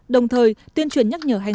đồng thời tuyên truyền nhắc nhở hành